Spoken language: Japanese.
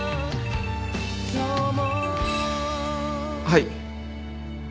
はい。